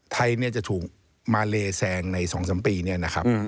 ไทยจะถูกมาเลแสงใน๒๓ปีนี้นะครับ